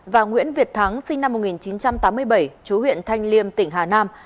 và nguyễn việt thắng sinh năm một nghìn chín trăm tám mươi bảy chú huyện thanh liêm tỉnh hà nam